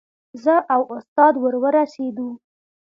زه او استاد ور ورسېدو.